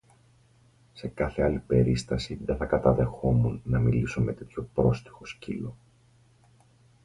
Σε κάθε άλλη περίσταση δε θα καταδέχουμουν να μιλήσω με τέτοιο πρόστυχο σκύλο